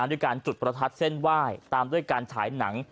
ด้วยการจุดประทัดเส้นไหว้ตามด้วยการฉายหนัง